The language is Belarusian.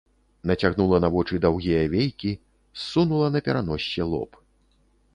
Нацягнула на вочы даўгія вейкі, ссунула на пераноссе лоб.